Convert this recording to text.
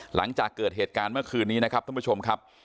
หลังจากเกิดเหตุการณ์เมื่อคืนนี้นะครับท่านผู้ชมครับ